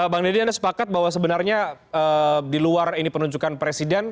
bang deddy anda sepakat bahwa sebenarnya di luar ini penunjukan presiden